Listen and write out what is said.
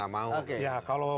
kalau sekarang mereka nggak mau